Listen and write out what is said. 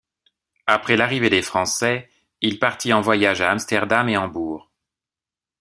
Après l'arrivée des Français, il partit en voyage à Amsterdam et Hambourg.